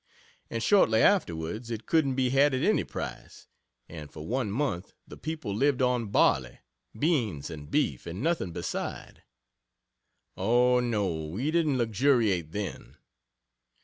And shortly afterwards, it couldn't be had at any price and for one month the people lived on barley, beans and beef and nothing beside. Oh, no we didn't luxuriate then!